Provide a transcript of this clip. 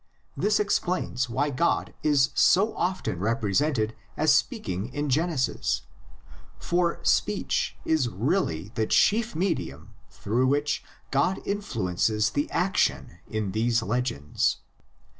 This explains why God is so often represented as speak ing in Genesis; for speech is really the chief medium through which God influences the action in these legends.